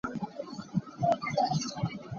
Facang kha zal in a pai mi khi ka u a si.